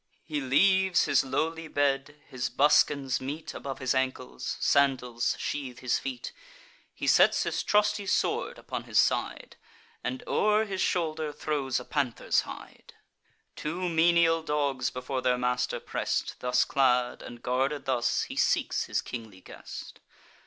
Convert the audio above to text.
He leaves his lowly bed: his buskins meet Above his ankles; sandals sheathe his feet: He sets his trusty sword upon his side, And o'er his shoulder throws a panther's hide. Two menial dogs before their master press'd. Thus clad, and guarded thus, he seeks his kingly guest.